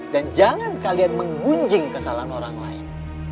dan jangan kalian menggunjing kesalahan orang lain